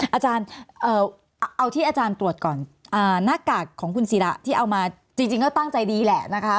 อาจารย์เอาที่อาจารย์ตรวจก่อนหน้ากากของคุณศิระที่เอามาจริงก็ตั้งใจดีแหละนะคะ